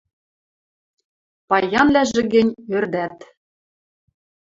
Паянвлӓжӹ гӹнь – ӧрдат.